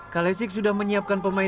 kalecik sudah menyiapkan pemainnya